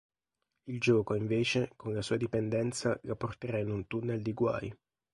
Il gioco, invece, con la sua dipendenza la porterà in un tunnel di guai.